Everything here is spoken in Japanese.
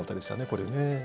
これね。